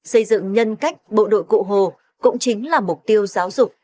xây dựng nhân cách bộ đội cụ hồ cũng chính là mục tiêu giáo dục